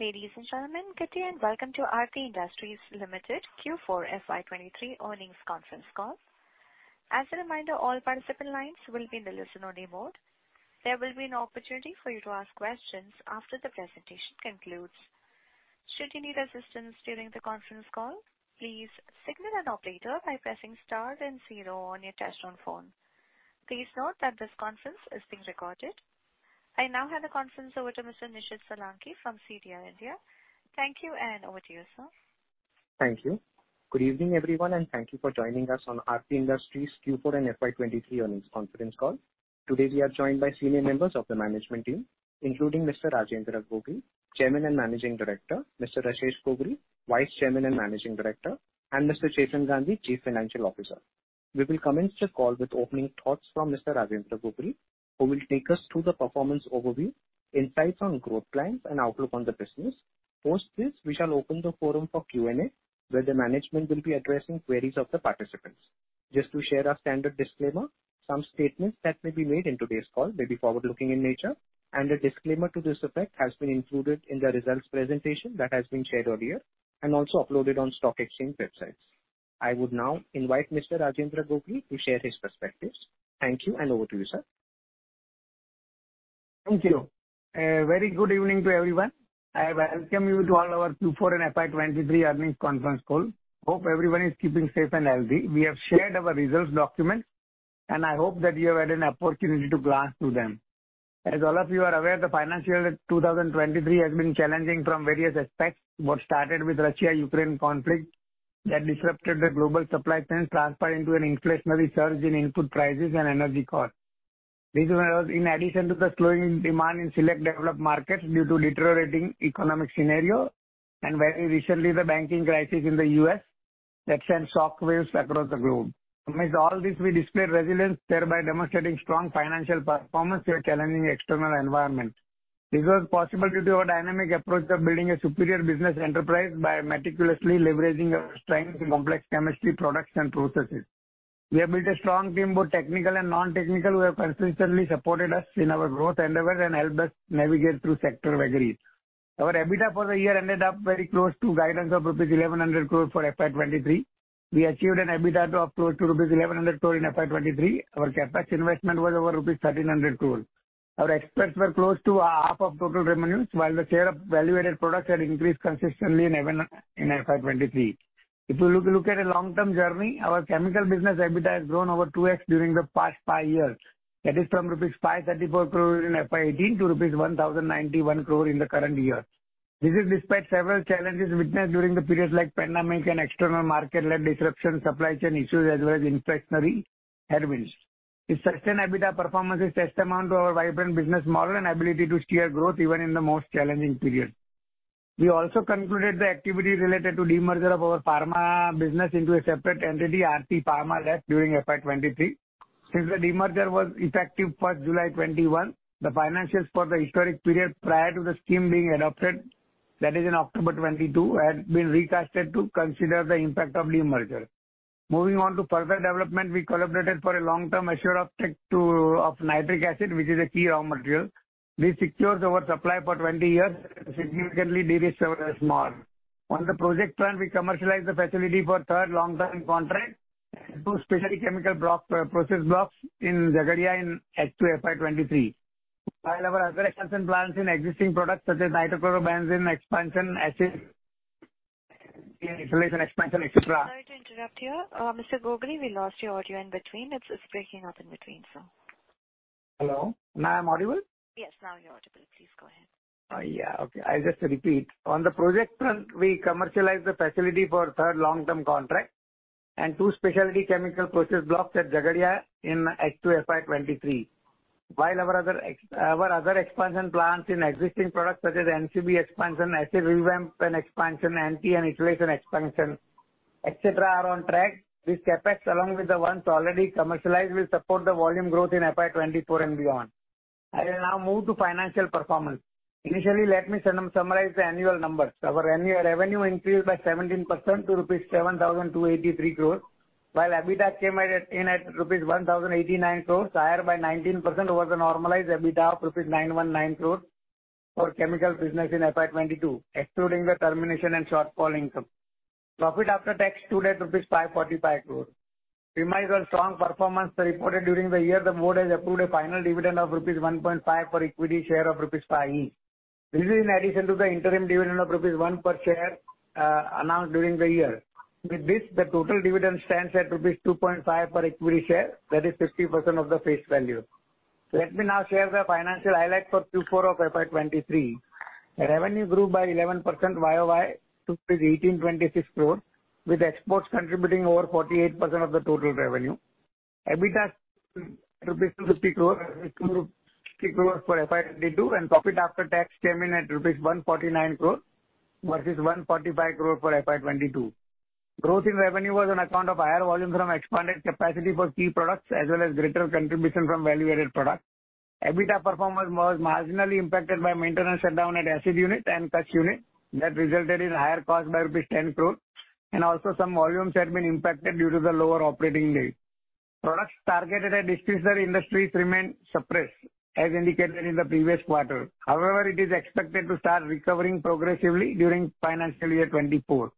Ladies and gentlemen, good day and welcome to Aarti Industries Limited Q4 FY23 earnings conference call. As a reminder, all participant lines will be in the listen only mode. There will be an opportunity for you to ask questions after the presentation concludes. Should you need assistance during the conference call, please signal an operator by pressing star then 0 on your touch-tone phone. Please note that this conference is being recorded. I now hand the conference over to Mr. Nishith Solanki from CDR India. Thank you, and over to you, sir. Thank you. Good evening, everyone, and thank you for joining us on Aarti Industries Q4 and FY23 earnings conference call. Today, we are joined by senior members of the management team, including Mr. Rajendra Gogri, Chairman and Managing Director. Mr. Ashish Gogri, Vice Chairman and Managing Director, and Mr. Chetan Gandhi, Chief Financial Officer. We will commence the call with opening thoughts from Mr. Rajendra Gogri, who will take us through the performance overview, insights on growth plans and outlook on the business. Post this, we shall open the forum for Q&A, where the management will be addressing queries of the participants. Just to share our standard disclaimer, some statements that may be made in today's call may be forward-looking in nature and a disclaimer to this effect has been included in the results presentation that has been shared earlier and also uploaded on stock exchange websites. I would now invite Mr. Rajendra Gogri to share his perspectives. Thank you, and over to you, sir. Thank you. very good evening to everyone. I welcome you to all our Q4 and FY 2023 earnings conference call. Hope everyone is keeping safe and healthy. We have shared our results document, I hope that you have had an opportunity to glance through them. As all of you are aware, the financial year 2023 has been challenging from various aspects. What started with Russia-Ukraine conflict that disrupted the global supply chain transpired into an inflationary surge in input prices and energy costs. This was in addition to the slowing demand in select developed markets due to deteriorating economic scenario and very recently the banking crisis in the U.S. that sent shock waves across the globe. Amidst all this, we displayed resilience, thereby demonstrating strong financial performance through a challenging external environment. This was possible due to our dynamic approach of building a superior business enterprise by meticulously leveraging our strength in complex chemistry products and processes. We have built a strong team, both technical and non-technical, who have consistently supported us in our growth endeavors and helped us navigate through sector vagaries. Our EBITDA for the year ended up very close to guidance of INR 1,100 crore for FY23. We achieved an EBITDA of close to INR 1,100 crore in FY23. Our CapEx investment was over INR 1,300 crore. Our exports were close to half of total revenues, while the share of value-added products had increased consistently in FY23. If you look at a long-term journey, our chemical business EBITDA has grown over 2x during the past five years. That is from rupees 534 crore in FY18 to rupees 1,091 crore in the current year. This is despite several challenges witnessed during the periods like pandemic and external market-led disruptions, supply chain issues, as well as inflationary headwinds. The sustained EBITDA performance is testament to our vibrant business model and ability to steer growth even in the most challenging periods. We also concluded the activity related to demerger of our pharma business into a separate entity, RP Pharma that during FY23. Since the demerger was effective July 2021, the financials for the historic period prior to the scheme being adopted, that is in October 2022, had been recasted to consider the impact of demerger. Moving on to further development, we collaborated for a long-term assure of tech of nitric acid, which is a key raw material. This secures our supply for 20 years and significantly derisk several risks more. On the project front, we commercialized the facility for third long-term contract, 2 specialty chemical block process blocks in Jhagadia in H2 FY23. While our other expansion plans in existing products such as nitrochlorobenzene expansion, acid expansion, et cetera. Sorry to interrupt you. Mr. Gogri, we lost your audio in between. It's breaking up in between, sir. Hello, now I'm audible? Yes, now you're audible. Please go ahead. Yeah, okay. I'll just repeat. On the project front, we commercialized the facility for third long-term contract and 2 specialty chemical process blocks at Jhagadia in H2 FY 2023. Our other expansion plans in existing products such as NCB expansion, acid revamp and expansion, aniline and nitrotoluene expansion, et cetera, are on track. This CapEx, along with the ones already commercialized, will support the volume growth in FY 2024 and beyond. I will now move to financial performance. Initially, let me summarize the annual numbers. Our annual revenue increased by 17% to rupees 7,283 crore, while EBITDA came in at rupees 1,089 crore, higher by 19% over the normalized EBITDA of rupees 919 crore for chemical business in FY 2022, excluding the termination and shortfall income. Profit After Tax stood at rupees 545 crore. In light of strong performance reported during the year, the board has approved a final dividend of rupees 1.5 per equity share of rupees 5 each. This is in addition to the interim dividend of rupees 1 per share announced during the year. With this, the total dividend stands at rupees 2.5 per equity share. That is 50% of the face value. Let me now share the financial highlights for Q4 of FY23. Revenue grew by 11% Y-o-Y to 1,826 crore, with exports contributing over 48% of the total revenue. EBITDA rupees 250 crore, 250 crore for FY22, and profit after tax came in at rupees 149 crore versus 145 crore for FY22. Growth in revenue was on account of higher volume from expanded capacity for key products as well as greater contribution from value-added products. EBITDA performance was marginally impacted by maintenance shutdown at acid unit and toluene unit that resulted in higher cost by rupees 10 crore. Also some volumes had been impacted due to the lower operating days. Products targeted at discretionary industries remain suppressed as indicated in the previous quarter. However, it is expected to start recovering progressively during financial year 2024.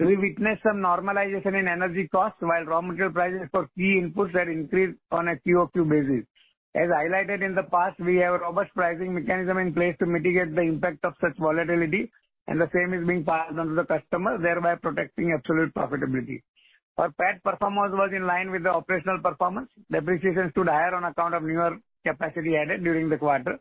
We witnessed some normalization in energy costs while raw material prices for key inputs had increased on a QoQ basis. As highlighted in the past, we have a robust pricing mechanism in place to mitigate the impact of such volatility, and the same is being passed on to the customers, thereby protecting absolute profitability. Our PAT performance was in line with the operational performance. Depreciation stood higher on account of newer capacity added during the quarter.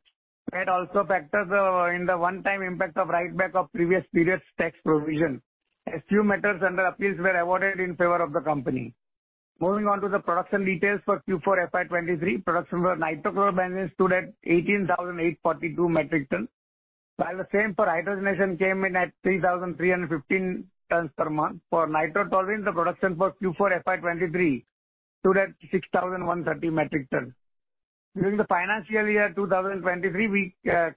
We had also factored in the one-time impact of write-back of previous periods' tax provision. A few matters under appeals were avoided in favor of the company. Moving on to the production details for Q4 FY23, production for nitrochlorobenzene stood at 18,842 metric tons, while the same for hydrogenation came in at 3,315 tons per month. For nitrotoluene, the production for Q4 FY23 stood at 6,130 metric tons. During the financial year 2023, we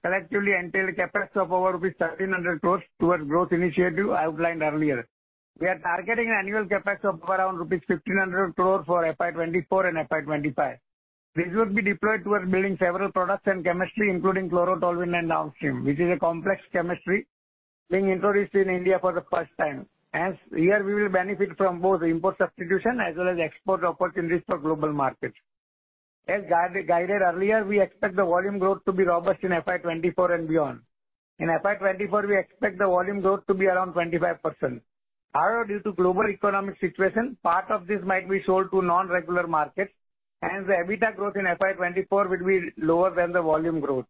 collectively entailed CapEx of over rupees 1,300 crores towards growth initiative outlined earlier. We are targeting annual CapEx of around rupees 1,500 crore for FY24 and FY25. This would be deployed towards building several products and chemistry, including chlorotoluene and downstream, which is a complex chemistry being introduced in India for the first time. Hence, here we will benefit from both import substitution as well as export opportunities for global markets. As guided earlier, we expect the volume growth to be robust in FY 2024 and beyond. In FY 2024, we expect the volume growth to be around 25%. However, due to global economic situation, part of this might be sold to non-regular markets, hence the EBITDA growth in FY 2024 will be lower than the volume growth.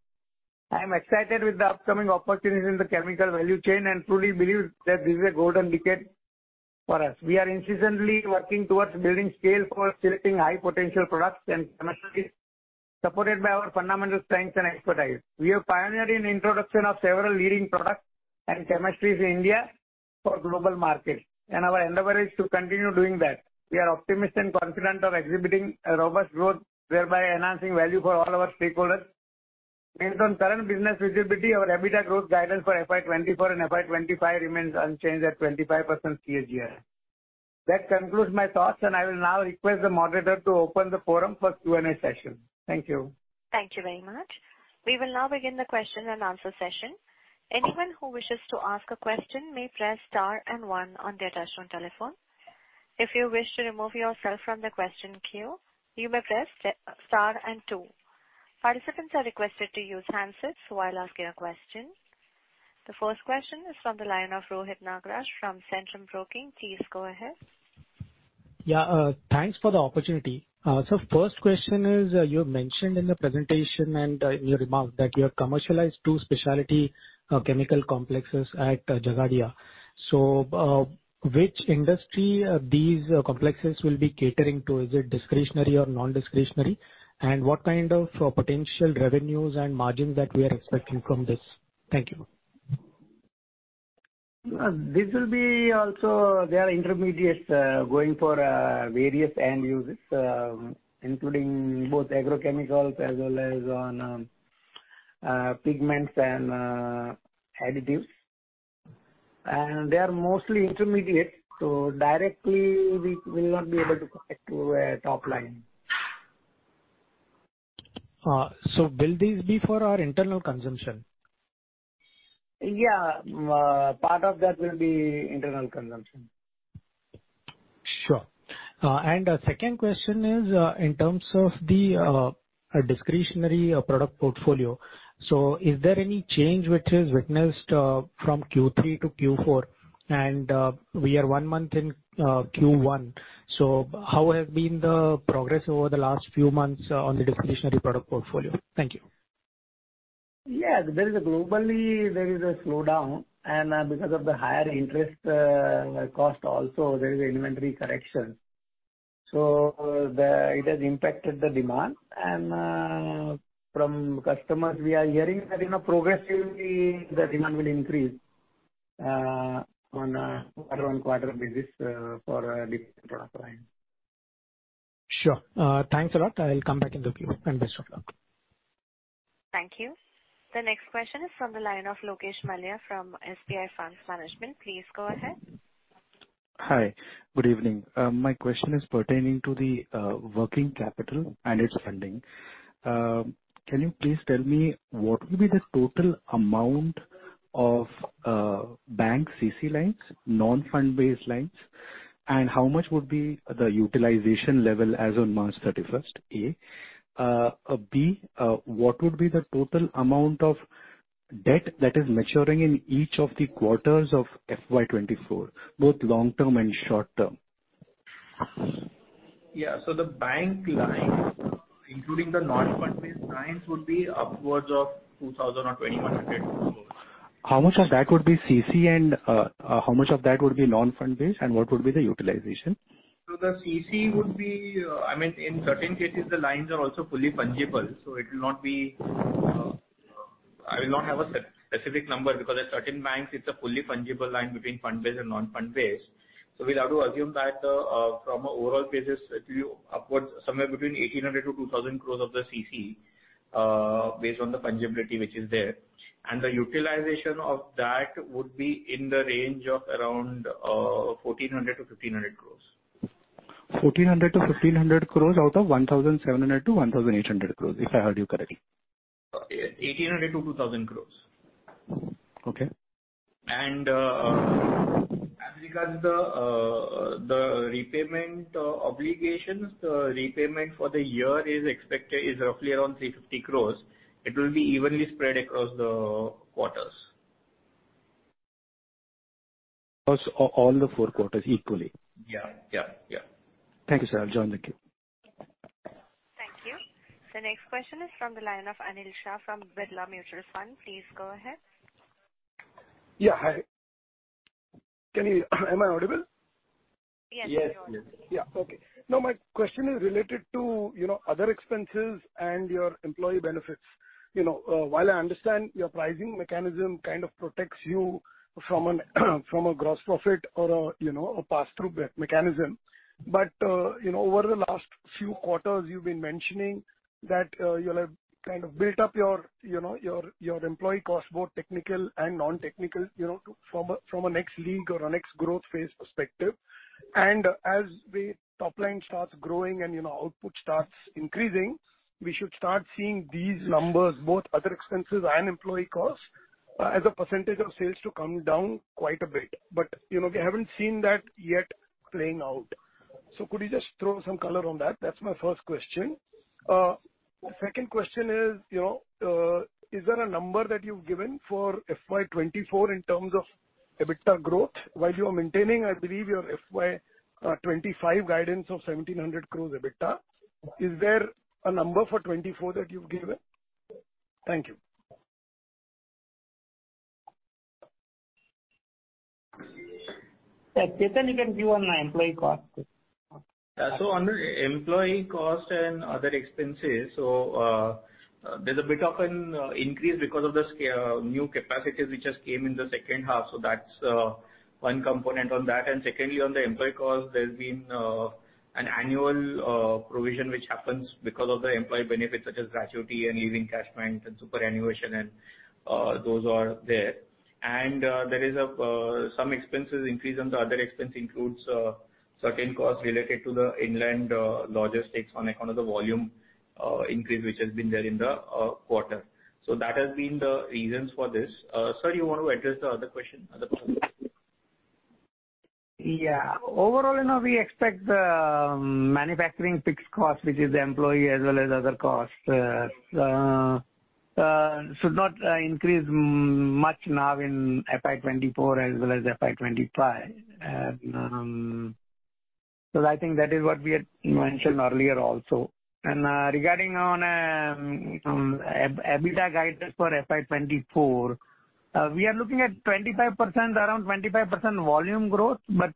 I am excited with the upcoming opportunities in the chemical value chain and truly believe that this is a golden decade for us. We are incessantly working towards building scale for selecting high potential products and chemistries, supported by our fundamental strengths and expertise. We are pioneer in introduction of several leading products and chemistries in India for global markets, and our endeavor is to continue doing that. We are optimist and confident of exhibiting a robust growth whereby enhancing value for all our stakeholders. Based on current business visibility, our EBITDA growth guidance for FY 2024 and FY 2025 remains unchanged at 25% CAGR. That concludes my thoughts and I will now request the moderator to open the forum for Q&A session. Thank you. Thank you very much. We will now begin the question and answer session. Anyone who wishes to ask a question may press star and one on their touchtone telephone. If you wish to remove yourself from the question queue, you may press star and two. Participants are requested to use handsets while asking a question. The first question is from the line of Rohit Nagraj from Centrum Broking. Please go ahead. Thanks for the opportunity. First question is, you have mentioned in the presentation and in your remarks that you have commercialized two specialty chemical complexes at Jhagadia. Which industry these complexes will be catering to? Is it discretionary or non-discretionary? What kind of potential revenues and margins that we are expecting from this? Thank you. This will be also their intermediates, going for, various end uses, including both agrochemicals as well as on, pigments and, additives. They are mostly intermediate, so directly we will not be able to connect to a top line. Will these be for our internal consumption? Part of that will be internal consumption. Sure. Second question is in terms of the discretionary product portfolio. Is there any change which is witnessed from Q3 to Q4? We are one month in Q1, so how has been the progress over the last few months on the discretionary product portfolio? Thank you. Globally there is a slowdown and because of the higher interest cost also there is inventory correction. It has impacted the demand. From customers we are hearing that, you know, progressively the demand will increase on a quarter on quarter basis for different product lines. Sure. Thanks a lot. I'll come back in the queue. Best of luck. Thank you. The next question is from the line of Lokesh Mallya from SBI Funds Management. Please go ahead. Hi. Good evening. My question is pertaining to the working capital and its funding. Can you please tell me what will be the total amount of bank CC lines, non-fund based lines, and how much would be the utilization level as on March 31st? A. B. What would be the total amount of debt that is maturing in each of the quarters of FY 2024, both long-term and short-term? Yeah. The bank lines, including the non-fund based lines, would be upwards of 2,000 crores or 2,100 crores. How much of that would be CC and, how much of that would be non-fund based? What would be the utilization? The CC would be, I mean, in certain cases the lines are also fully fungible, so it will not be. I will not have a specific number because at certain banks it's a fully fungible line between fund based and non-fund based. We'll have to assume that, from an overall basis, it will be upwards somewhere between 1,800-2,000 crore of the CC, based on the fungibility which is there. The utilization of that would be in the range of around, 1,400-1,500 crores. 1,400 crores-1,500 crores out of 1,700 crores-1,800 crores, if I heard you correctly? Uh, e-eighteen hundred to two thousand crores. Okay. As regards the repayment obligations, the repayment for the year is expected is roughly around 350 crore. It will be evenly spread across three quarters. Across all the four quarters equally. Yeah. Yeah. Yeah. Thank you, sir. I'll join the queue. Thank you. The next question is from the line of Anil Shah from Birla Mutual Fund. Please go ahead. Yeah, hi. Am I audible? Yes. Yes. Yeah. Okay. Now, my question is related to, you know, other expenses and your employee benefits. You know, while I understand your pricing mechanism kind of protects you from a gross profit or a, you know, a pass-through mechanism. You know, over the last few quarters, you've been mentioning that you'll have kind of built up your, you know, your employee cost, both technical and non-technical, you know, from a next link or a next growth phase perspective. As the top line starts growing and, you know, output starts increasing, we should start seeing these numbers, both other expenses and employee costs, as a % of sales to come down quite a bit. You know, we haven't seen that yet playing out. Could you just throw some color on that? That's my first question. Second question is, you know, is there a number that you've given for FY 2024 in terms of EBITDA growth while you are maintaining, I believe, your FY 2025 guidance of 1,700 crore EBITDA? Is there a number for 2024 that you've given? Thank you. Yeah. Chetan, you can give on the employee cost. Yeah. Under employee cost and other expenses, there's a bit of an increase because of the new capacities which just came in the second half, that's one component on that. Secondly, on the employee cost, there's been an annual provision which happens because of the employee benefits such as gratuity and leaving cash payments and superannuation and those are there. There is a some expenses increase on the other expense includes certain costs related to the inland logistics on account of the volume increase, which has been there in the quarter. That has been the reasons for this. Sir, you want to address the other question, other part? Yeah. Overall, you know, we expect the manufacturing fixed cost, which is the employee as well as other costs, should not increase much now in FY 2024 as well as FY 2025. I think that is what we had mentioned earlier also. Regarding on EBITDA guidance for FY 2024, we are looking at 25%, around 25% volume growth, but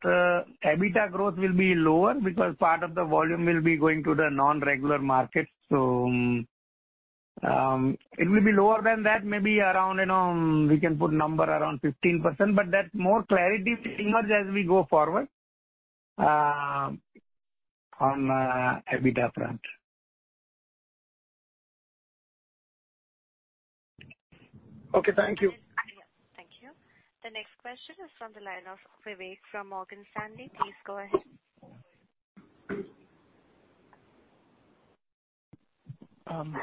EBITDA growth will be lower because part of the volume will be going to the non-regular market. It will be lower than that, maybe around, you know, we can put number around 15%, but that more clarity will emerge as we go forward on EBITDA front. Okay. Thank you. Thank you. The next question is from the line of Vivek from Morgan Stanley. Please go ahead.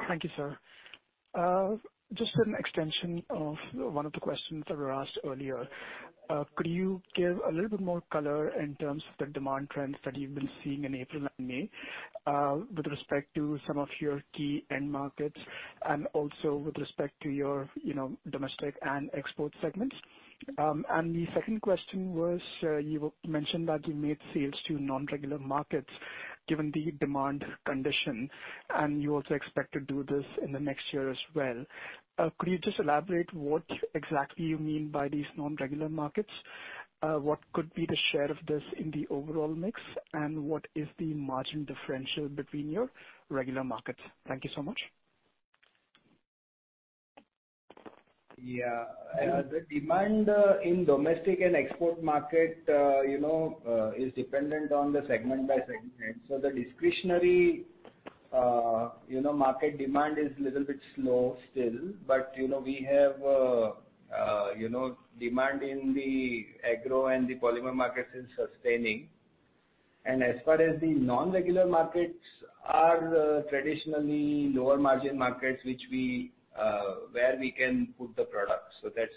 Thank you sir. Just an extension of one of the questions that were asked earlier. Could you give a little bit more color in terms of the demand trends that you've been seeing in April and May, with respect to some of your key end markets and also with respect to your, you know, domestic and export segments? The second question was, you mentioned that you made sales to non-regular markets given the demand condition, and you also expect to do this in the next year as well. Could you just elaborate what exactly you mean by these non-regular markets? What could be the share of this in the overall mix? What is the margin differential between your regular markets? Thank you so much. Yeah. And- The demand in domestic and export market, you know, is dependent on the segment by segment. The discretionary, you know, market demand is little bit slow still. You know, we have, you know, demand in the agro and the polymer markets is sustaining. As far as the non-regular markets are traditionally lower margin markets, which we where we can put the products. That's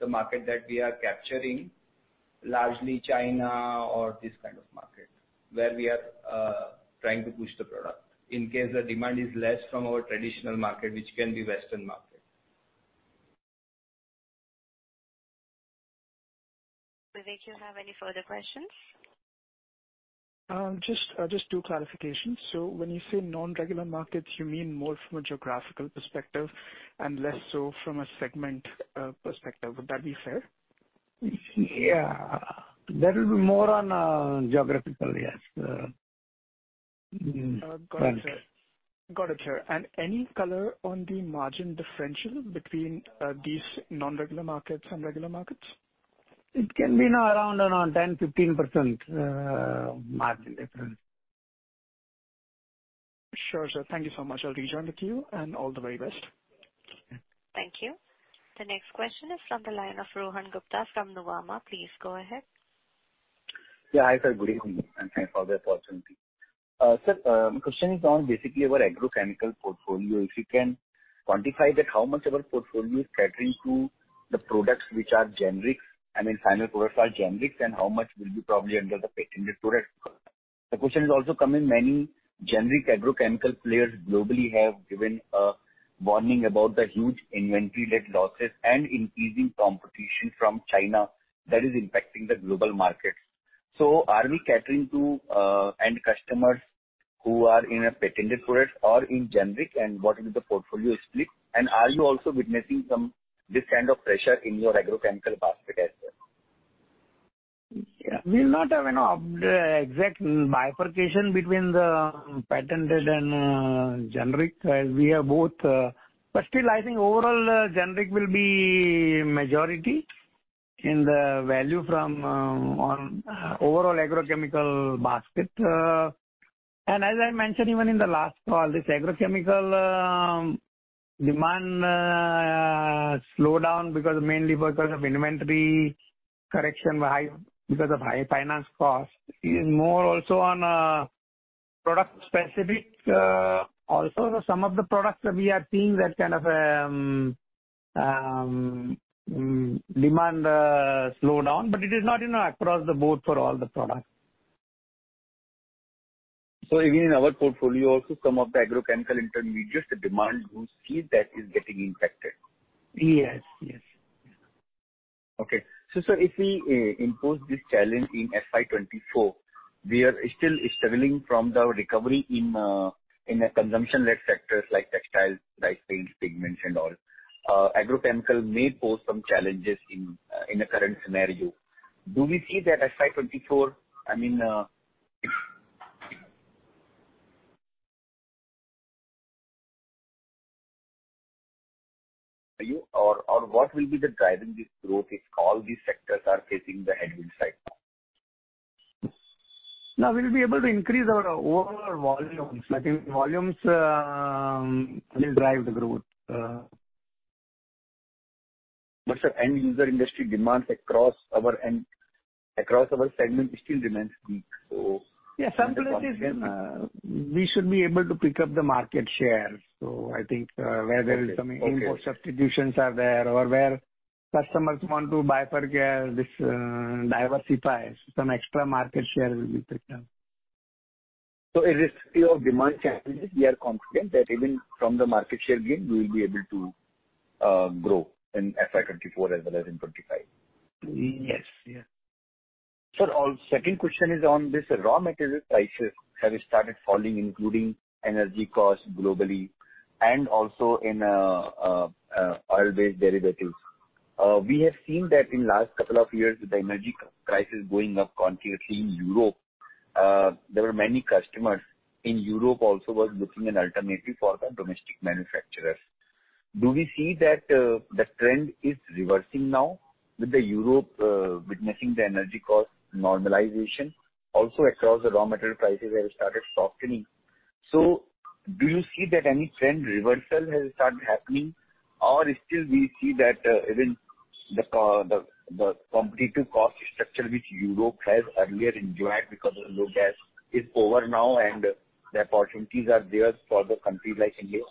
the market that we are capturing, largely China or this kind of market, where we are trying to push the product in case the demand is less from our traditional market, which can be Western market. Vivek, do you have any further questions? Just 2 clarifications. When you say non-regular markets, you mean more from a geographical perspective and less so from a segment, perspective. Would that be fair? Yeah. That will be more on geographical. Yes. mm-hmm. Got it, sir. Any color on the margin differential between these non-regular markets and regular markets? It can be now around, you know, 10%-15% margin difference. Sure, sir. Thank you so much. I'll rejoin with you. All the very best. Thank you. The next question is from the line of Rohan Gupta from Nuvama. Please go ahead. Yeah. Hi, sir. Good evening, and thanks for the opportunity. Sir, question is on basically our agrochemical portfolio. If you can quantify that, how much of our portfolio is catering to the products which are generics, I mean, final products are generics, and how much will be probably under the patented products. The question is also coming, many generic agrochemical players globally have given a warning about the huge inventory-led losses and increasing competition from China that is impacting the global market. Are we catering to end customers who are in a patented product or in generic, and what is the portfolio split? Are you also witnessing some this kind of pressure in your agrochemical basket as well? Yeah. We're not having a exact bifurcation between the patented and generic, as we have both, but still I think overall, generic will be majority in the value from on overall agrochemical basket. As I mentioned even in the last call, this agrochemical demand slowed down because mainly because of inventory correction by because of high finance costs. It is more also on product specific. Also some of the products that we are seeing that kind of demand slow down, but it is not, you know, across the board for all the products. Even in our portfolio also some of the agrochemical intermediates, the demand we see that is getting impacted. Yes. Yes. Yeah. Okay. Sir, if we impose this challenge in FY 2024, we are still struggling from the recovery in the consumption-led sectors like textiles, like paints, pigments and all. Agrochemicals may pose some challenges in the current scenario. Do we see that FY 2024, I mean, or what will be the driving this growth if all these sectors are facing the headwind side now? We'll be able to increase our overall volumes. I think volumes will drive the growth. sir, end user industry demands across our segment still remains weak. some places, we should be able to pick up the market share. I think, where there is some- Okay. Okay. import substitutions are there or where customers want to this, diversify, some extra market share will be picked up. irrespective of demand challenges, we are confident that even from the market share gain we will be able to grow in FY 2024 as well as in 2025. Yes. Yes. Sir, second question is on this raw material prices have started falling, including energy costs globally and also in oil-based derivatives. We have seen that in last couple of years with the energy crisis going up continuously in Europe, there were many customers in Europe also was looking an alternative for the domestic manufacturers. Do we see that the trend is reversing now with the Europe witnessing the energy cost normalization also across the raw material prices have started softening. Do you see that any trend reversal has started happening? Or still we see that even the competitive cost structure which Europe has earlier enjoyed because of low gas is over now and the opportunities are there for the country like India?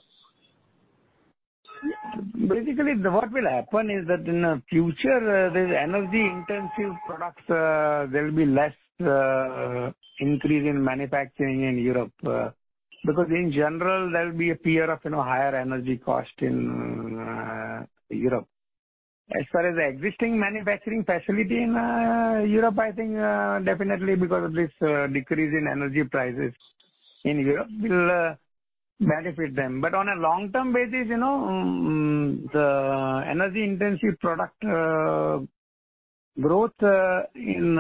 Yeah. Basically what will happen is that in the future, this energy intensive products, there will be less increase in manufacturing in Europe, because in general there will be a fear of, you know, higher energy cost in Europe. As far as the existing manufacturing facility in Europe, I think, definitely because of this decrease in energy prices in Europe will benefit them. On a long-term basis, you know, the energy intensive product growth in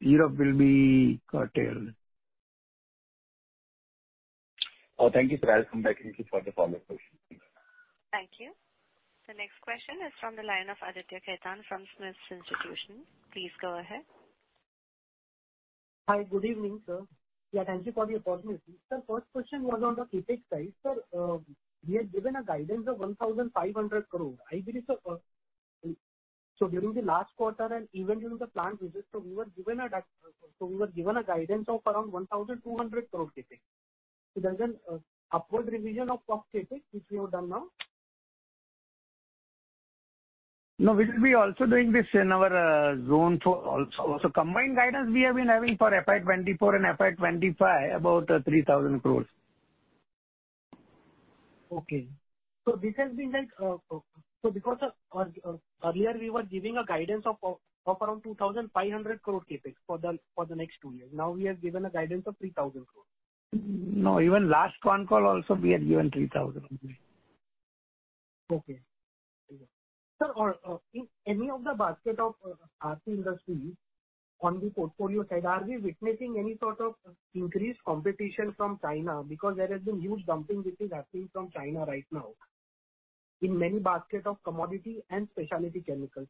Europe will be curtailed. Oh, thank you, sir. I'll come back to you for the follow-up question. Thank you. The next question is from the line of Aditya Ketan from Smith Institution. Please go ahead. Hi. Good evening, sir. Thank you for the opportunity. Sir, first question was on the CapEx side. Sir, we had given a guidance of 1,500 crore. I believe, sir, during the last quarter and even during the plant visit, we were given a guidance of around 1,200 crore rupees CapEx. There's an upward revision of CapEx which we have done now. We will be also doing this in our zone 4 also. Combined guidance we have been having for FY 2024 and FY 2025 about INR 3,000 crores. Okay. This has been like, because earlier we were giving a guidance of around 2,500 crore CapEx for the next 2 years. Now we have given a guidance of 3,000 crores. No. Even last con call also we had given 3,000 only. Okay. Thank you. Sir, in any of the basket of Aarti Industries on the portfolio side, are we witnessing any sort of increased competition from China? Because there has been huge dumping which is happening from China right now. In many basket of commodity and specialty chemicals.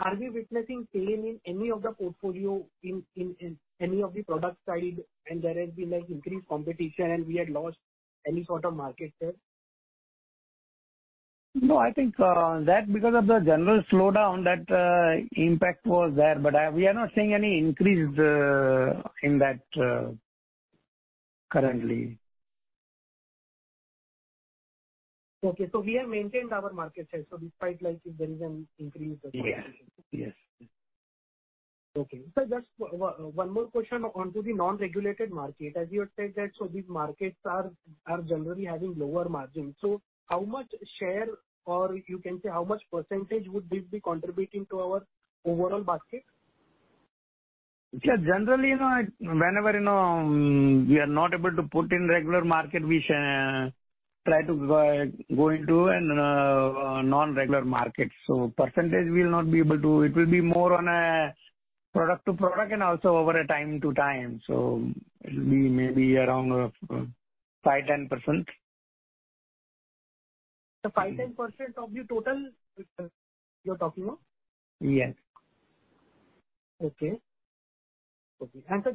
Are we witnessing pain in any of the portfolio in any of the product side and there has been like increased competition and we had lost any sort of market share? No, I think, that because of the general slowdown that, impact was there, but we are not seeing any increase, in that, currently. Okay. We have maintained our market share. Despite like if there is an increase of competition. Yes. Yes. Okay. Sir, just one more question onto the non-regulated market. As you had said that so these markets are generally having lower margins. How much share or you can say how much % would this be contributing to our overall basket? generally, you know, whenever, you know, we are not able to put in regular market, we try to go into an non-regular market. Percentage will not be able to... It will be more on a product to product and also over a time to time. It will be maybe around 5-10%. 5, 10% of your total, you're talking of? Yes. Okay. Okay. Sir,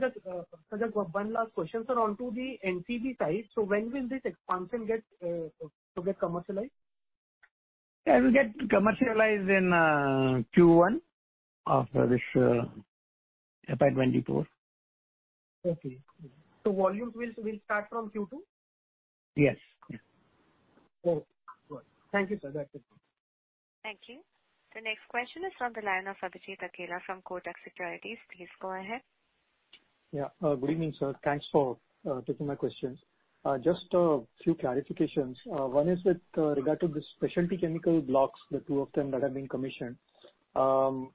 just one last question. Sir, onto the NCB side. When will this expansion get commercialized? It will get commercialized in Q1 of this FY 2024. Okay. Volumes will start from Q2? Yes. Yes. Oh, good. Thank you, sir. That's it. Thank you. The next question is on the line of Abhijit Akella from Kotak Securities. Please go ahead. Yeah. Good evening, sir. Thanks for taking my questions. Just a few clarifications. One is with regard to the specialty chemical blocks, the two of them that have been commissioned. You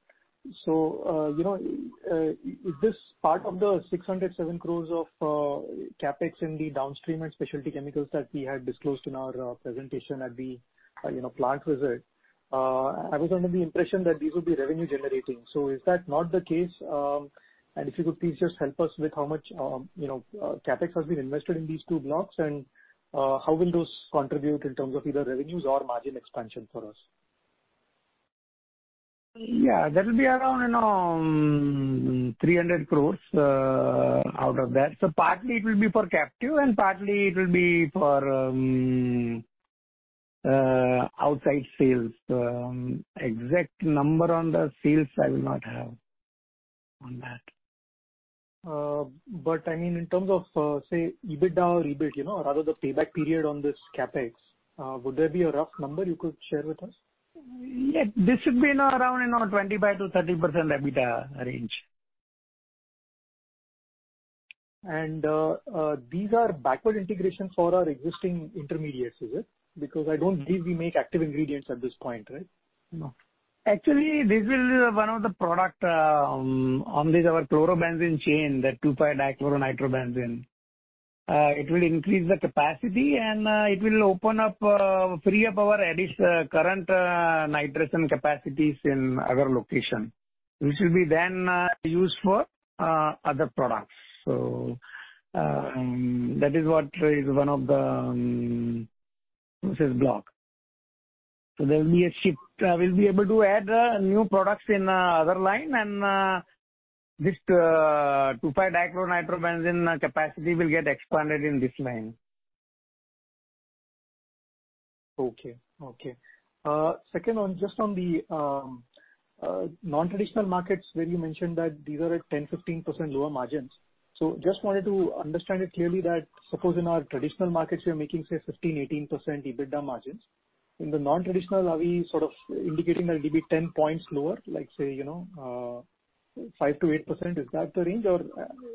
know, is this part of the 607 crore of CapEx in the downstream and specialty chemicals that we had disclosed in our presentation at the, you know, plant visit? I was under the impression that these would be revenue generating. Is that not the case? If you could please just help us with how much, you know, CapEx has been invested in these two blocks and, how will those contribute in terms of either revenues or margin expansion for us? Yeah, that'll be around, you know, 300 crore, out of that. Partly it will be for captive and partly it will be for outside sales. Exact number on the sales I will not have on that. I mean, in terms of, say, EBITDA or EBIT, you know, rather the payback period on this CapEx, would there be a rough number you could share with us? Yeah. This should be in around, you know, 25%-30% EBITDA range. These are backward integrations for our existing intermediates, is it? I don't believe we make active ingredients at this point, right? No. Actually, this will be one of the product on this our chlorobenzene chain, the 2,5-dichloronitrobenzene. It will increase the capacity and it will open up, free up our current nitration capacities in our location, which will be then used for other products. That is what is one of the say it's block. There will be a shift. We'll be able to add new products in other line and this 2,5-dichloronitrobenzene capacity will get expanded in this line. Okay. Okay. second one, just on the non-traditional markets where you mentioned that these are at 10-15% lower margins. just wanted to understand it clearly that suppose in our traditional markets we are making, say, 15-18% EBITDA margins. In the non-traditional, are we sort of indicating that it'll be 10 points lower, like, say, you know, 5-8%? Is that the range or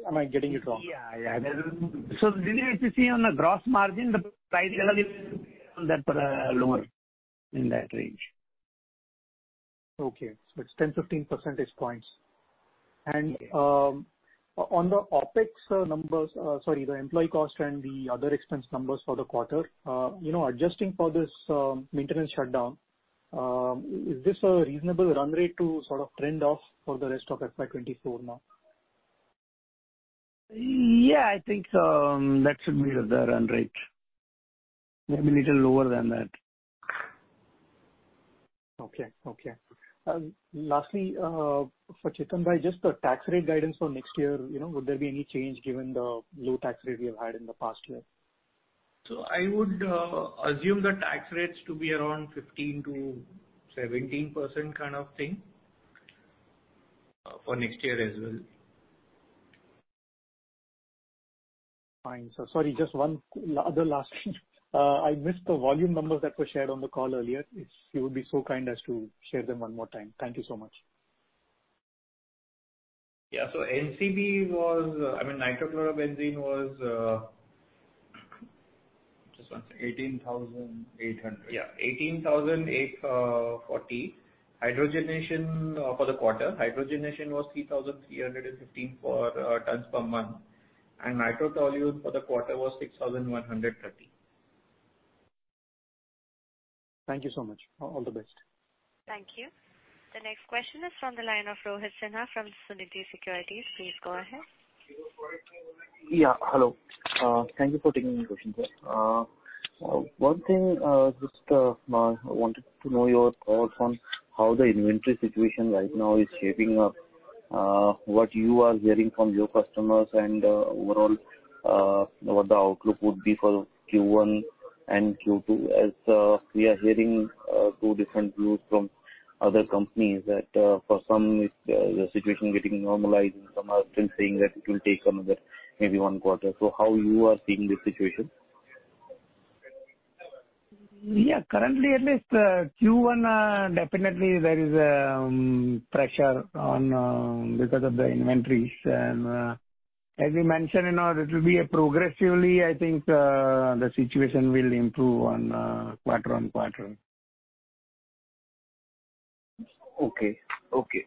am I getting it wrong? Yeah. Yeah. This is to see on the gross margin, the price realization on that product lower in that range. Okay. It's 10, 15 percentage points. Yes. On the OpEx numbers, sorry, the employee cost and the other expense numbers for the quarter, you know, adjusting for this maintenance shutdown, is this a reasonable run rate to sort of trend off for the rest of FY24 now? Yeah, I think, that should be the run rate. Maybe little lower than that. Okay. Okay. Lastly, for Chittanbhai, just the tax rate guidance for next year, you know, would there be any change given the low tax rate we have had in the past year? I would assume the tax rates to be around 15%-17% kind of thing for next year as well. Fine. Sorry, just one other last thing. I missed the volume numbers that were shared on the call earlier. If you would be so kind as to share them one more time. Thank you so much. Yeah. NCB was, I mean, nitrochlorobenzene was. Just one second. INR 18,800. Yeah. 18,840 tons. Hydrogenation for the quarter. Hydrogenation was 3,315 tons per month. Nitrotoluene for the quarter was 6,130 tons. Thank you so much. All the best. Thank you. The next question is from the line of Rohit Sinha from Sunidhi Securities. Please go ahead. Yeah. Hello. Thank you for taking my question, sir. One thing, just, I wanted to know your thoughts on how the inventory situation right now is shaping up. What you are hearing from your customers and, overall, what the outlook would be for Q1 and Q2, as we are hearing two different views from other companies that, for some it's the situation getting normalized and some are still saying that it will take another maybe one quarter. How you are seeing this situation? Yeah. Currently, at least, Q1, definitely there is pressure on because of the inventories. As we mentioned, you know, it will be a progressively, I think, the situation will improve on quarter-on-quarter. Okay. Okay.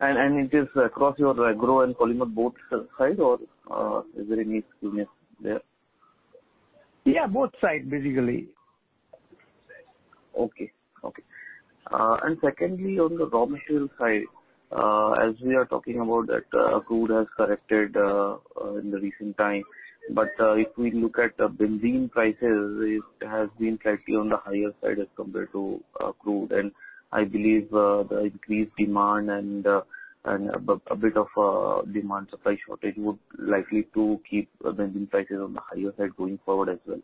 It is across your agro and polymer both side, or is there any uniqueness there? Yeah, both side, basically. Okay. Okay. Secondly, on the raw material side, as we are talking about that, crude has corrected in the recent time. If we look at the benzene prices, it has been slightly on the higher side as compared to crude. I believe, the increased demand and a bit of demand supply shortage would likely to keep benzene prices on the higher side going forward as well.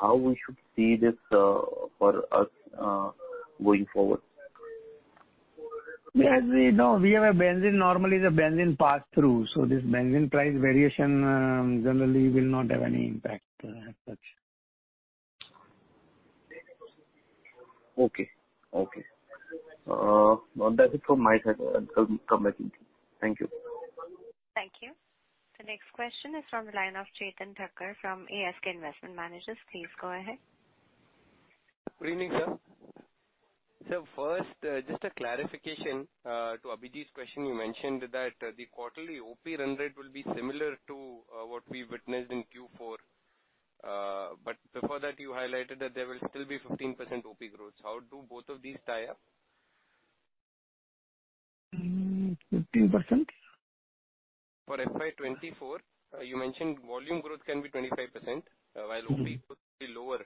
How we should see this, for us, going forward? As we know, we have a benzene, normally the benzene pass through. This benzene price variation, generally will not have any impact, as such. Okay. That's it from my side. I'll come back if needed. Thank you. Thank you. The next question is from the line of Chetan Thakkar from ASK Investment Managers. Please go ahead. Good evening, sir. First, just a clarification to Abhijit's question. You mentioned that the quarterly OP run rate will be similar to what we witnessed in Q4. Before that you highlighted that there will still be 15% OP growth. How do both of these tie up? Hmm. 15%? For FY 2024, you mentioned volume growth can be 25%, Mm-hmm. While OP could be lower,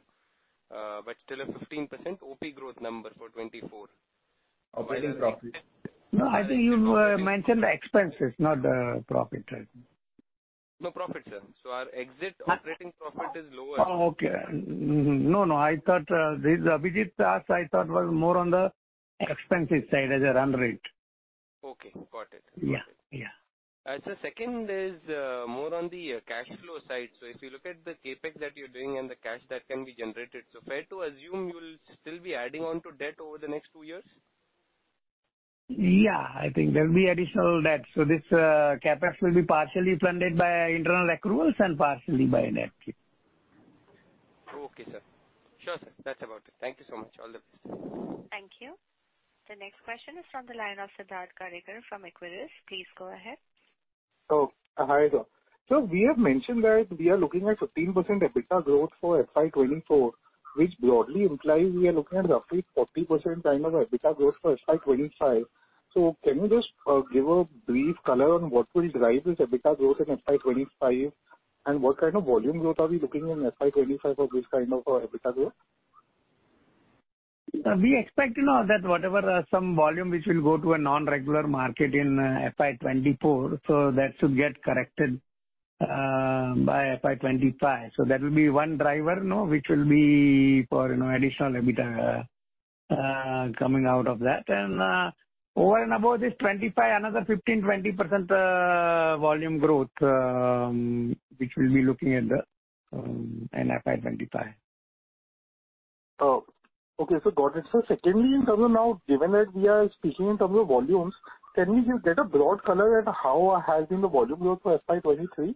still a 15% OP growth number for 2024. Operating profit. Why that dip? No, I think you mentioned the expenses, not the profit. Profit, sir. Our exit operating profit is lower. Oh, okay. Mm-hmm. No, no. I thought this Abhijit's ask was more on the expensive side as a run rate. Okay. Got it. Yeah. Yeah. Second is more on the cash flow side. If you look at the CapEx that you're doing and the cash that can be generated, so fair to assume you'll still be adding on to debt over the next two years? Yeah. I think there'll be additional debt. This CapEx will be partially funded by internal accruals and partially by net keep. Okay, sir. Sure, sir. That's about it. Thank you so much. All the best. Thank you. The next question is from the line of Siddharth Karekar from Equirus. Please go ahead. Hi, sir. We have mentioned that we are looking at 15% EBITDA growth for FY 2024, which broadly implies we are looking at roughly 40% kind of EBITDA growth for FY 2025. Can you just give a brief color on what will drive this EBITDA growth in FY 2025? What kind of volume growth are we looking in FY 2025 for this kind of EBITDA growth? We expect to know that whatever, some volume which will go to a non-regular market in FY 2024, that should get corrected by FY 2025. That will be one driver, you know, which will be for, you know, additional EBITDA coming out of that. Over and above this 25, another 15-20% volume growth, which we'll be looking at in FY 2025. Okay. Got it. Secondly, in terms of now, given that we are speaking in terms of volumes, can we just get a broad color at how has been the volume growth for FY 23?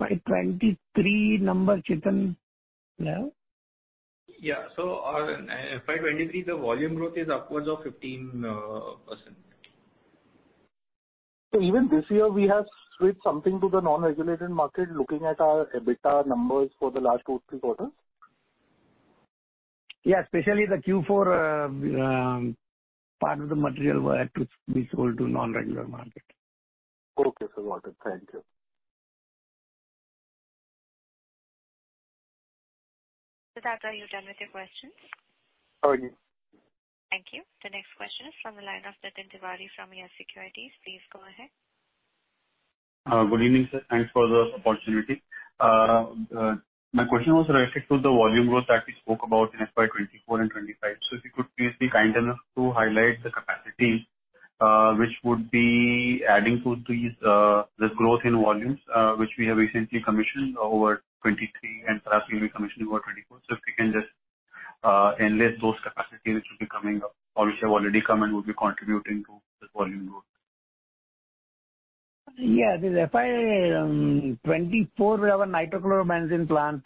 FY23 number, Chetan, you have? Yeah. In FY23, the volume growth is upwards of 15%. Even this year we have switched something to the non-regulated market, looking at our EBITDA numbers for the last two, three quarters. especially the Q4 part of the material were to be sold to non-regular market. Okay, sir. Got it. Thank you. Siddharth, are you done with your questions? Oh, yes. Thank you. The next question is from the line of Nitin Tiwari from Yes Securities. Please go ahead. Good evening, sir. Thanks for the opportunity. My question was related to the volume growth that we spoke about in FY 2024 and 2025. If you could please be kind enough to highlight the capacities, which would be adding to these, the growth in volumes, which we have recently commissioned over 2023 and perhaps we'll be commissioning over 2024. If you can just enlist those capacities which will be coming up or which have already come and will be contributing to this volume growth. Yes, in FY 2024, we have a nitrochlorobenzene plant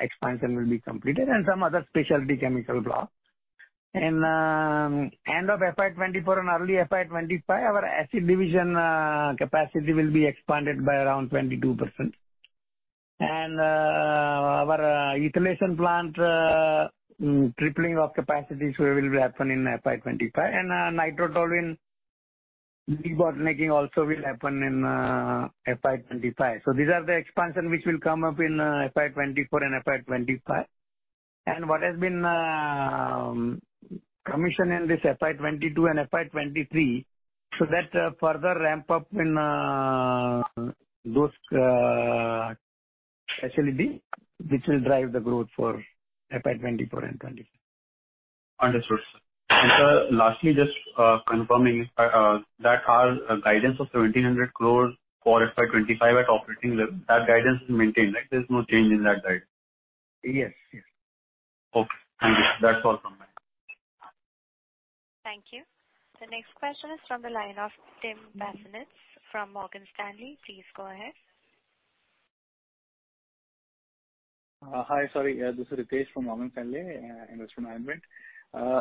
expansion will be completed and some other specialty chemical blockIn end of FY 2024 and early FY 2025, our acid division capacity will be expanded by around 22%. Our ethylation plant tripling of capacities will happen in FY 2025. Nitro toluene debottlenecking also will happen in FY 2025. These are the expansion which will come up in FY 2024 and FY 2025. What has been commission in this FY 2022 and FY 2023, so that further ramp up in those facility, which will drive the growth for FY 2024 and 2025. Understood. Lastly, just confirming that our guidance of 1,700 crore for FY25 at operating level, that guidance is maintained, right? There's no change in that guide. Yes. Okay. Thank you. That's all from my end. Thank you. The next question is from the line of Tim Basanitz from Morgan Stanley. Please go ahead. Hi, sorry. This is Ritesh from Morgan Stanley Investment Management.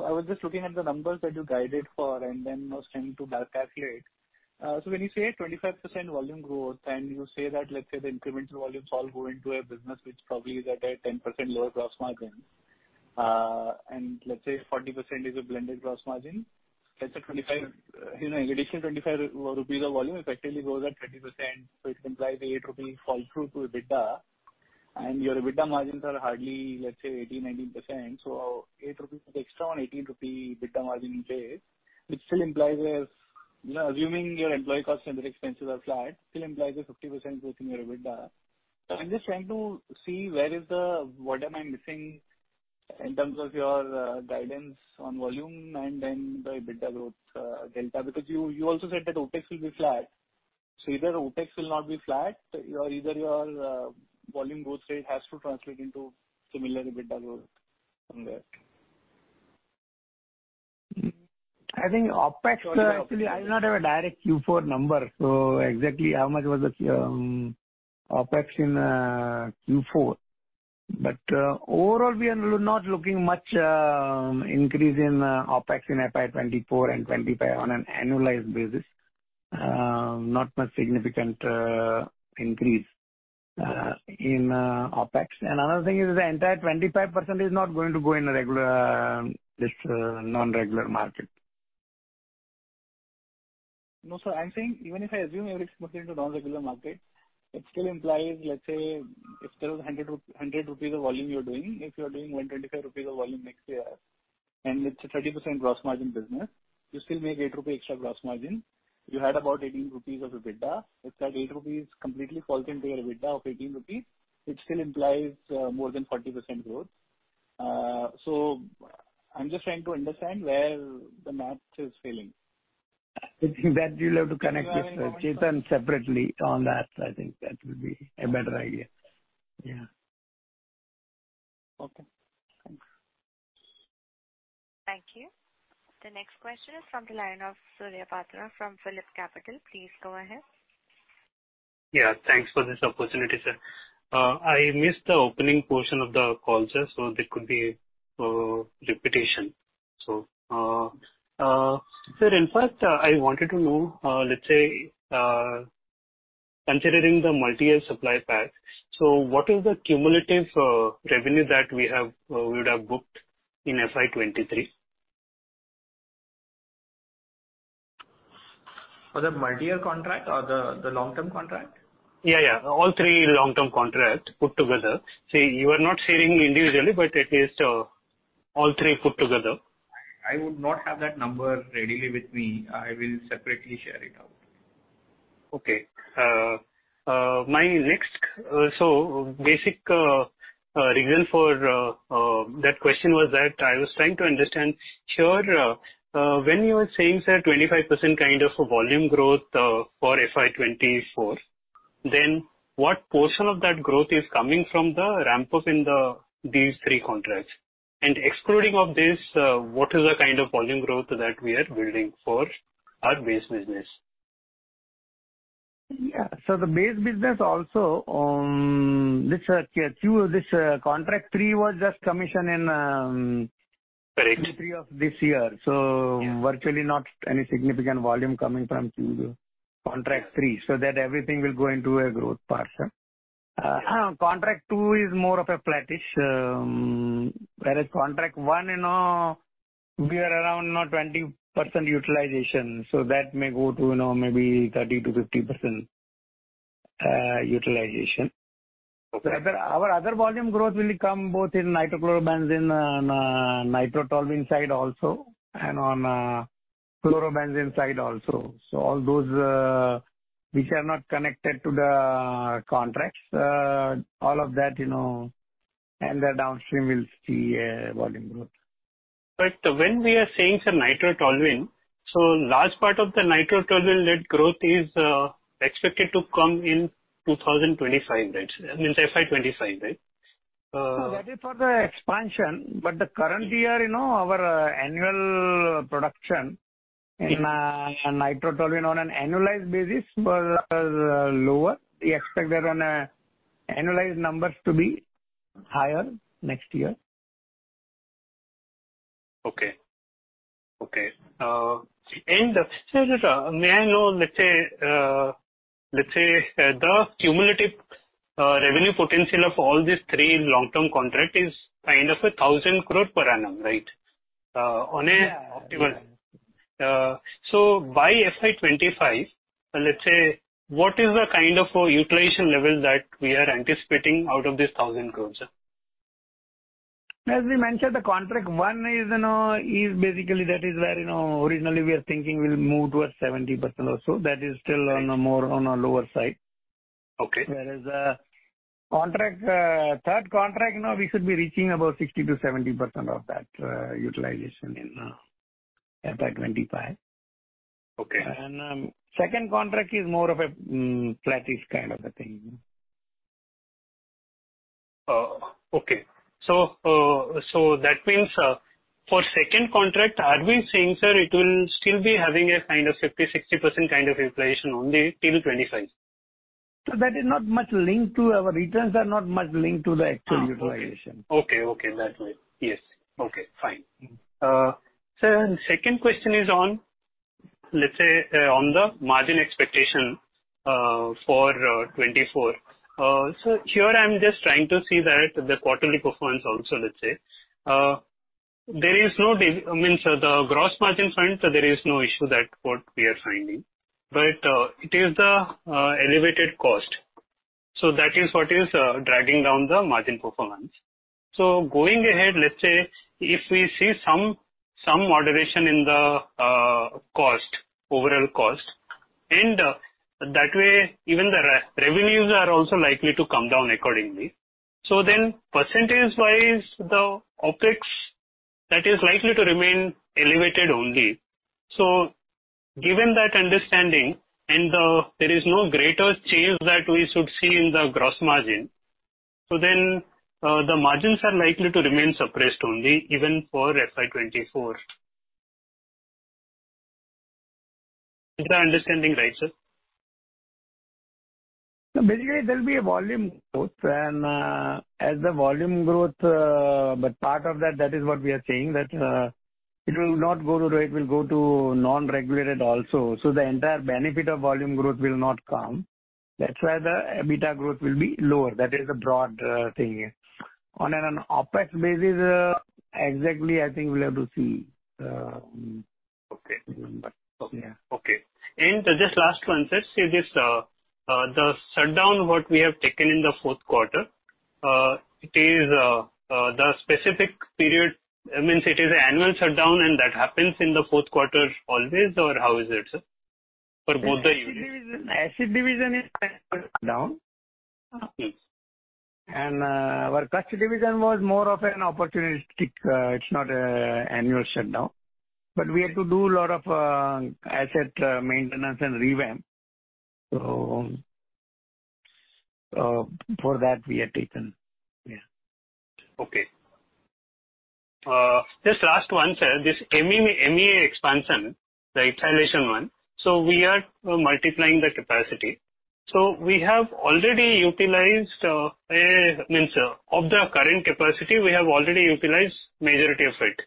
I was just looking at the numbers that you guided for and then was trying to back calculate. When you say 25% volume growth, you say that, let's say, the incremental volumes all go into a business which probably is at a 10% lower gross margin. Let's say 40% is a blended gross margin. Let's say 25, you know, in addition 25 rupees of volume effectively grows at 30%, it implies 8 rupees fall through to EBITDA. Your EBITDA margins are hardly, let's say, 18%-19%. Eight rupees is extra on 18 rupee EBITDA margin you pay, which still implies a, you know, assuming your employee costs and other expenses are flat, still implies a 50% growth in your EBITDA. I'm just trying to see where is What am I missing in terms of your guidance on volume and then the EBITDA growth delta. You also said that OpEx will be flat. Either OpEx will not be flat. Either your volume growth rate has to translate into similar EBITDA growth from that. I think OpEx, actually I do not have a direct Q4 number, so exactly how much was the OpEx in Q4. Overall, we are not looking much increase in OpEx in FY 2024 and 2025 on an annualized basis. Not much significant increase in OpEx. Another thing is the entire 25% is not going to go in a regular this non-regular market. No, sir. I'm saying even if I assume everything's moving to non-regular market, it still implies, let's say, if there was 100 rupees of volume you're doing, if you are doing 125 rupees of volume next year, and it's a 30% gross margin business, you still make 8 rupee extra gross margin. You had about 18 rupees of EBITDA. If that 8 rupees completely falls into your EBITDA of 18 rupees, it still implies more than 40% growth. I'm just trying to understand where the math is failing. You'll have to connect with Chetan separately on that. I think that would be a better idea. Yeah. Okay. Thanks. Thank you. The next question is from the line of Surya Patra from PhillipCapital. Please go ahead. Yeah, thanks for this opportunity, sir. I missed the opening portion of the call, sir, so there could be repetition. sir, in fact, I wanted to know, let's say, considering the multi-year supply pack, what is the cumulative revenue that we have, we would have booked in FY23? For the multi-year contract or the long-term contract? Yeah. All three long-term contract put together. You are not sharing individually, but at least, all three put together. I would not have that number readily with me. I will separately share it out. Okay. My next, basic reason for that question was that I was trying to understand here, when you are saying, say, 25% kind of a volume growth for FY 2024, then what portion of that growth is coming from the ramp-up in these three contracts? And excluding of this, what is the kind of volume growth that we are building for our base business? Yeah. The base business also, this contract three was just commission in. Correct. Q3 of this year. Yeah. virtually not any significant volume coming from Q contract three. That everything will go into a growth part, sir. Contract two is more of a flattish, whereas contract one, you know, we are around, you know, 20% utilization, that may go to, you know, maybe 30%-50% utilization. Okay. Our other volume growth will come both in nitrochlorobenzene and nitrotoluene side also, and on chlorobenzene side also. All those which are not connected to the contracts, all of that, you know, and the downstream will see a volume growth. When we are saying, say, nitrotoluene, large part of the nitrotoluene led growth is expected to come in 2025, right? I mean, FY25, right? No, that is for the expansion, but the current year, you know, our annual production in nitrotoluene on an annualized basis was lower. We expect that on a annualized numbers to be higher next year. Okay. may I know, the cumulative, revenue potential of all these three long-term contract is 1,000 crore per annum, right? on a optimal. Yeah. By FY25, let's say, what is the kind of utilization level that we are anticipating out of this 1,000 crore, sir? We mentioned the contract, one is, you know, is basically that is where, you know, originally we are thinking we'll move towards 70% or so. That is still. Right. on a more, on a lower side. Okay. Contract, third contract, you know, we should be reaching about 60%-70% of that utilization in FY25. Okay. Second contract is more of a flattish kind of a thing. Okay. That means, for second contract, are we saying, sir, it will still be having a kind of 50%-60% kind of inflation only till 2025? That is not much linked to our returns are not much linked to the actual utilization. way. Yes. Okay, fine. Second question is on, let's say, on the margin expectation for 2024. Here I'm just trying to see that the quarterly performance also, let's say. There is no, I mean, so the gross margin front, so there is no issue that what we are finding, but it is the elevated cost. That is what is dragging down the margin performance. Going ahead, let's say, if we see some moderation in the cost, overall cost, and that way even the revenues are also likely to come down accordingly. Then percentage-wise, the OpEx that is likely to remain elevated only. Given that understanding and, there is no greater change that we should see in the gross margin, so then, the margins are likely to remain suppressed only even for FY 2024. Is my understanding right, sir? Basically there'll be a volume growth and, as the volume growth, but part of that is what we are saying that it will not go to rate, it will go to non-regulated also. The entire benefit of volume growth will not come. That's why the EBITDA growth will be lower. That is the broad thing. On an OpEx basis, exactly, I think we'll have to see. Okay. Yeah. Okay. Just last one, sir. See this, the shutdown what we have taken in the fourth quarter, it is the specific period, I mean, it is annual shutdown and that happens in the fourth quarter always or how is it, sir? For both the unit. Acid division is down. Yes. Our this decision was more of an opportunistic, it's not a annual shutdown. We had to do a lot of asset maintenance and revamp. For that we had taken. Okay. Just last one, sir. This MEA expansion, the ethylation one. We are multiplying the capacity. We have already utilized a means of the current capacity, we have already utilized majority of it.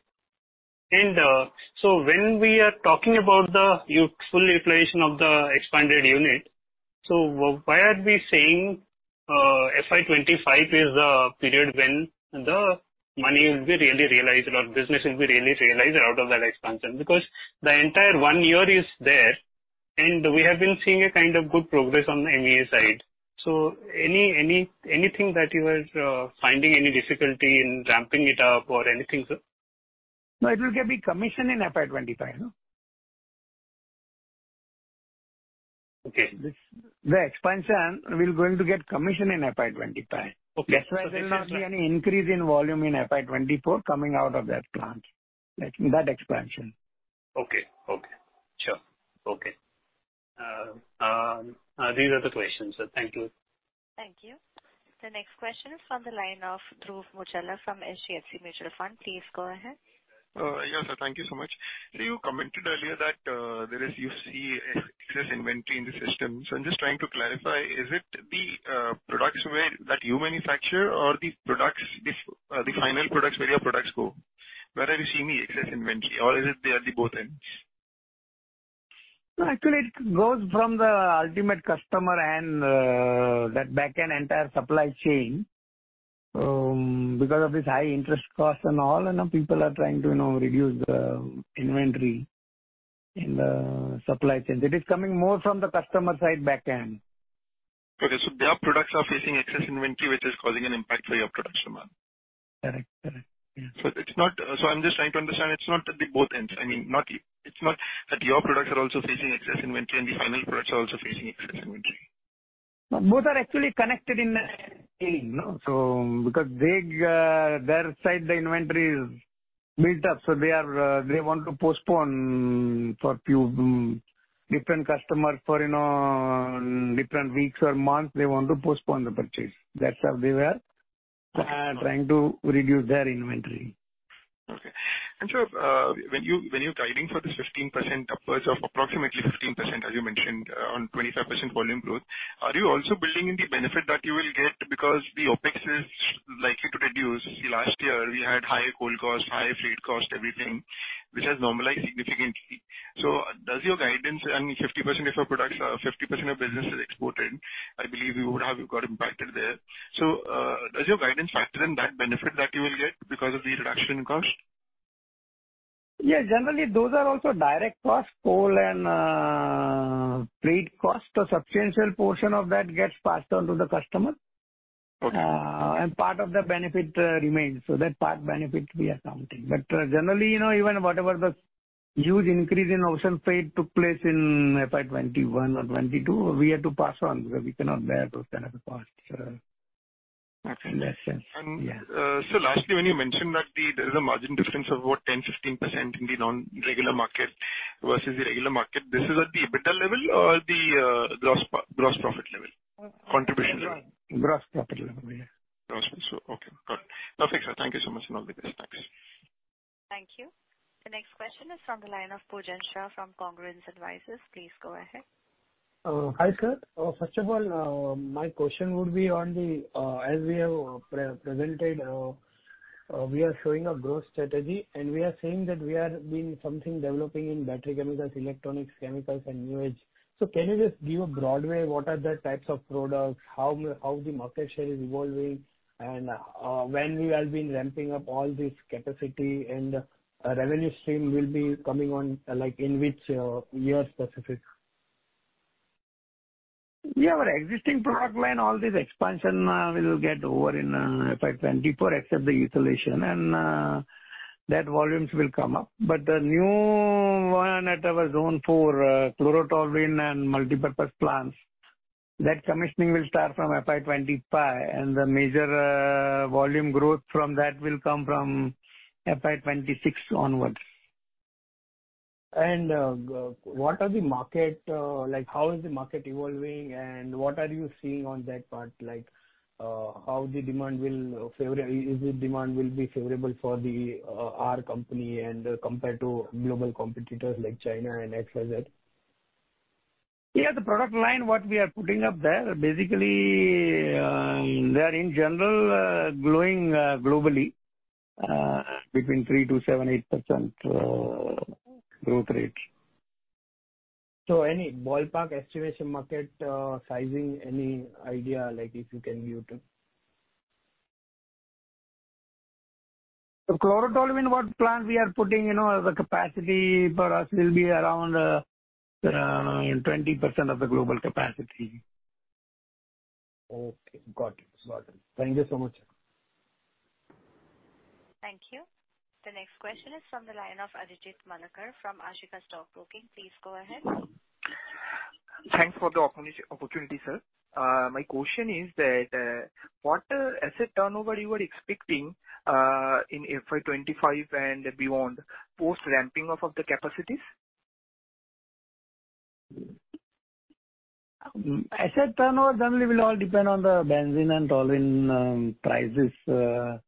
When we are talking about the full utilization of the expanded unit, why are we saying FY 2025 is the period when the money will be really realized or business will be really realized out of that expansion? Because the entire 1 year is there and we have been seeing a kind of good progress on the MEA side. Anything that you are finding any difficulty in ramping it up or anything, sir? No, it will get be commissioned in FY 25, no? Okay. This, the expansion, we're going to get commission in FY 2025. Okay. there's no such- That's why there will not be any increase in volume in FY 24 coming out of that plant, like, that expansion. Okay. Okay. Sure. Okay. These are the questions, sir. Thank you. Thank you. The next question is on the line of Dhruv Mucchal from HDFC Mutual Fund. Please go ahead. Yeah, sir. Thank you so much. You commented earlier that there is, you see excess inventory in the system. I'm just trying to clarify, is it the products where that you manufacture or the products if the final products where your products go? Where are you seeing the excess inventory or is it they are the both ends? Actually it goes from the ultimate customer and that back end entire supply chain. Because of this high interest costs and all and now people are trying to, you know, reduce the inventory in the supply chain. It is coming more from the customer side back end. Okay. Their products are facing excess inventory which is causing an impact for your products demand. Correct. Correct. Yeah. I'm just trying to understand, it's not at the both ends? I mean, it's not that your products are also facing excess inventory and the final products are also facing excess inventory? No, both are actually connected in a chain, no. Because their side the inventory is built up, so they are, they want to postpone for few, different customer for, you know, different weeks or months, they want to postpone the purchase. That's how they were trying to reduce their inventory. Okay. Sir, when you're guiding for this 15% upwards of approximately 15%, as you mentioned, on 25% volume growth, are you also building in the benefit that you will get because the OpEx is likely to reduce? Last year we had high coal costs, high freight cost, everything, which has normalized significantly. Does your guidance and 50% of your products... 50% of business is exported, I believe you would have got impacted there. Does your guidance factor in that benefit that you will get because of the reduction in cost? Yes. Generally, those are also direct costs, coal and freight cost. A substantial portion of that gets passed on to the customer. Okay. Part of the benefit remains. That part benefit we are counting. Generally, you know, even whatever the huge increase in ocean freight took place in FY21 or FY22, we had to pass on. We cannot bear those kind of costs. I see. Yes, yes. Yeah. lastly, when you mentioned that there is a margin difference of about 10-15% in the non-regular market versus the regular market, this is at the EBITDA level or the gross profit level? Contribution level. Gross profit level, yeah. Gross profit. Okay, got it. Perfect, sir. Thank you so much, and all the best. Thanks. Thank you. The next question is from the line of Poojan Shah from Congress Advisors. Please go ahead. Hi, sir. First of all, my question would be on the, as we have pre-presented, we are showing a growth strategy, and we are saying that we are doing something developing in battery chemicals, electronics, chemicals and new edge. Can you just give a broad way what are the types of products, how the market share is evolving, and, when we have been ramping up all this capacity and revenue stream will be coming on, like, in which year specific? Our existing product line, all this expansion, will get over in FY 2024, except the utilization and that volumes will come up. The new one at our zone 4, chlorotoluene and multipurpose plants, that commissioning will start from FY 2025, and the major volume growth from that will come from FY 2026 onwards. What are the market, like, how is the market evolving and what are you seeing on that part? Like, Is the demand will be favorable for the, our company and compared to global competitors like China and X, Y, Z? The product line, what we are putting up there, basically, they are in general, growing, globally, between 3% to 7%, 8% growth rate. Any ballpark estimation, market, sizing, any idea, like if you can give to? The chlorotoluene, what plant we are putting, you know, the capacity for us will be around 20% of the global capacity. Okay, got it. Got it. Thank you so much. Thank you. The next question is from the line of Ajit Manakar from Ashika Stock Broking. Please go ahead. Thanks for the opportunity, sir. My question is that, what asset turnover you are expecting in FY 2025 and beyond, post ramping of the capacities? Asset turnover generally will all depend on the benzene and toluene, prices.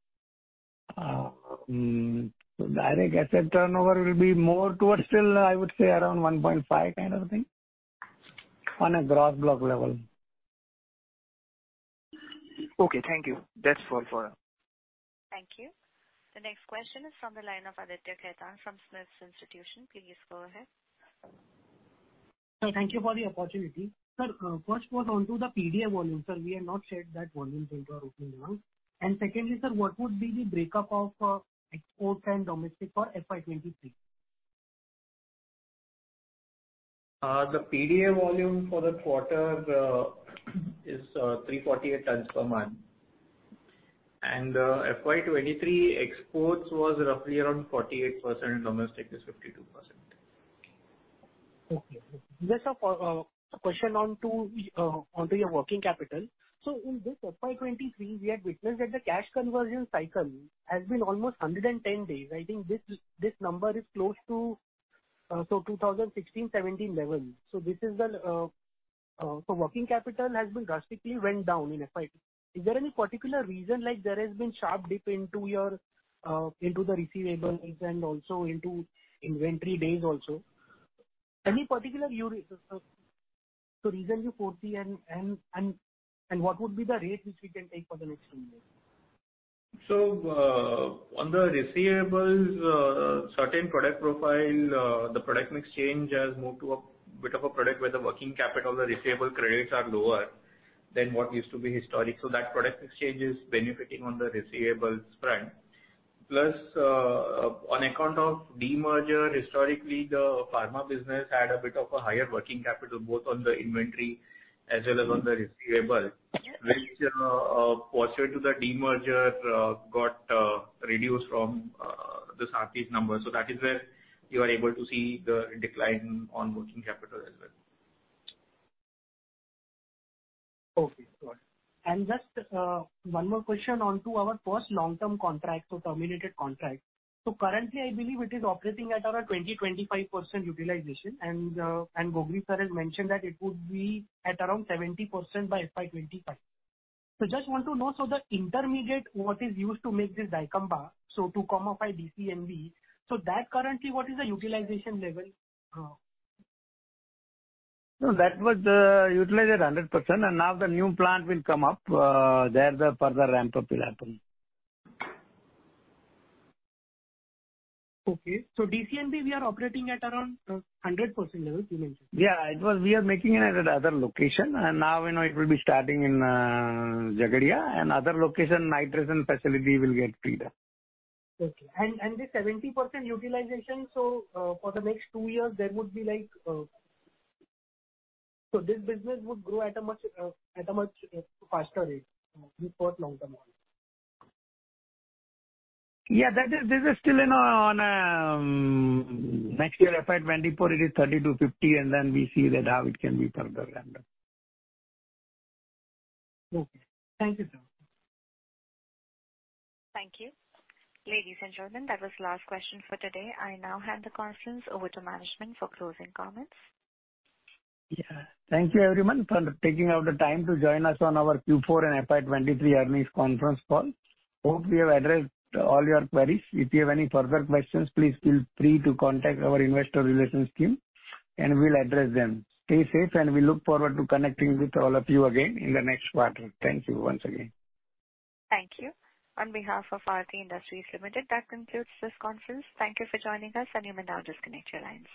Direct asset turnover will be more towards still, I would say around 1.5 kind of thing on a gross block level. Okay. Thank you. That's all for now. Thank you. The next question is from the line of Aditya Khetan from Smiths Institution. Please go ahead. Sir, thank you for the opportunity. Sir, first was onto the PDA volume. Sir, we have not shared that volumes into our opening round. Secondly, sir, what would be the breakup of exports and domestic for FY23? The PDA volume for the quarter is 340 tons per month. FY 23 exports was roughly around 48%. Domestic is 52%. Okay. Just a question onto your working capital. In this FY23, we had witnessed that the cash conversion cycle has been almost 110 days. I think this number is close to 2016-2017 level. Working capital has been drastically went down in FY. Is there any particular reason, like there has been sharp dip into your into the receivables and also into inventory days also? Any particular reason you foresee and what would be the rate which we can take for the next few years? On the receivables, certain product profile, the product mix change has moved to a bit of a product where the working capital, the receivable credits are lower than what used to be historic. That product mix change is benefiting on the receivables front. Plus, on account of demerger, historically, the pharma business had a bit of a higher working capital, both on the inventory as well as on the receivable, which, posture to the demerger, got reduced from the Aarti's number. That is where you are able to see the decline on working capital as well. Okay, got it. Just one more question onto our first long-term contract, so terminated contract. Currently, I believe it is operating at around 20%-25% utilization. Gogri sir has mentioned that it would be at around 70% by FY25. Just want to know, the intermediate, what is used to make this dicamba, 2,5-DCNB, that currently, what is the utilization level? No, that was utilized at 100% and now the new plant will come up. There the further ramp-up will happen. Okay. DCNB, we are operating at around 100% level you mentioned. Yeah. We are making it at another location and now, you know, it will be starting in Jagadia and other location nitrogen facility will get freed up. Okay. The 70% utilization, for the next 2 years there would be like... This business would grow at a much faster rate with first long-term one. Yeah. That is, this is still, you know, on, next year FY 2024 it is 30-50, and then we see that how it can be further ramped up. Okay. Thank you, sir. Thank you. Ladies and gentlemen, that was the last question for today. I now hand the conference over to management for closing comments. Yeah. Thank you everyone for taking out the time to join us on our Q4 and FY23 earnings conference call. Hope we have addressed all your queries. If you have any further questions, please feel free to contact our investor relations team and we'll address them. Stay safe, and we look forward to connecting with all of you again in the next quarter. Thank you once again. Thank you. On behalf of Aarti Industries Limited, that concludes this conference. Thank you for joining us and you may now disconnect your lines.